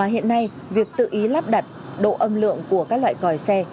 hiện nay việc tự ý lắp đặt độ âm lượng của các loại còi xe